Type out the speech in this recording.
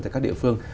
tại các địa phương